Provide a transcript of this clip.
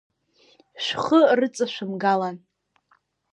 Шәхы рыҵашәымгалан.